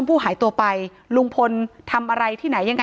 ถ้าใครอยากรู้ว่าลุงพลมีโปรแกรมทำอะไรที่ไหนยังไง